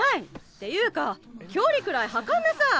っていうか距離くらい測んなさい！